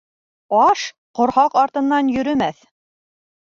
Аш ҡорһаҡ артынан йөрөмәҫ.